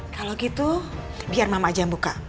kalau gitu biar mama aja yang buka